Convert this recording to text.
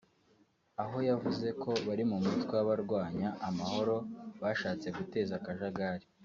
aho yavuze ko bari mu mutwe w’abarwanya amahoro bashatse guteza akajagari